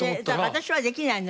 私はできないの。